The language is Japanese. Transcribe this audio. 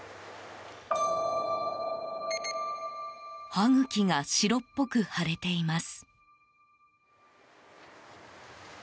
歯茎が白っぽく腫れています。